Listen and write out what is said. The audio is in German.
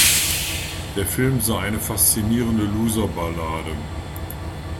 Der Film sei eine faszinierende Loser-Ballade.